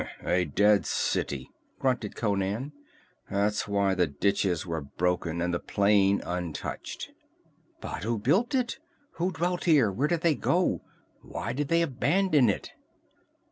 "A dead city," grunted Conan. "That's why the ditches were broken and the plain untouched." "But who built it? Who dwelt here? Where did they go? Why did they abandon it?"